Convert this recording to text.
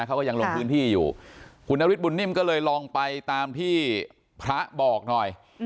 เขาก็ยังลงพื้นที่อยู่คุณนฤทธบุญนิ่มก็เลยลองไปตามที่พระบอกหน่อย